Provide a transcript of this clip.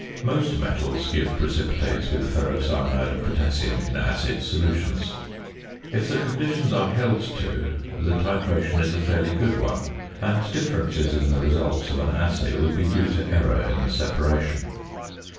Most metals give precipitates with ferrocyanide of potassium in acid solutions. If the conditions are held to, the titration is a fairly good one, and differences in the results of an assay will be due to error in the separation.